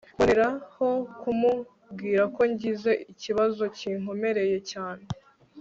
mboneraho kumubwira ko ngize ikibazo kinkomereye cyane